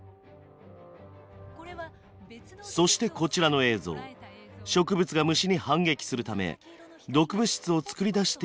そしてこちらの映像植物が虫に反撃するため毒物質を作り出しているといいます。